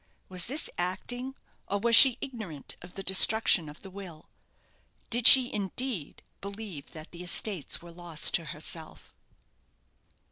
Was this acting, or was she ignorant of the destruction of the will? Did she, indeed, believe that the estates were lost to herself?